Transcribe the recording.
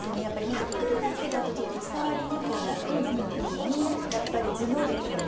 「タックル」だけだとちょっと伝わりにくいなって思った時にやっぱり頭脳ですよね